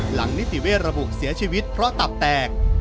หลังนิติเวรบุกเสียชีวิตเพราะตับแตก